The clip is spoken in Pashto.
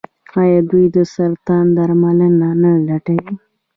آیا دوی د سرطان درملنه نه لټوي؟